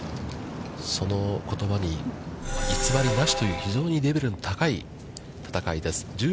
その言葉に偽りなしという非常にレベルの高い、戦いです。